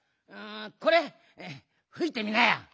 これふいてみなよ。